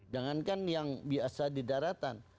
jangankan yang biasa di daratan